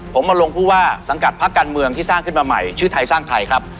ผมมาลงผู้ว่าสังกัดพักการเมืองที่สร้างขึ้นมาใหม่ชื่อไทยสร้างไทยครับ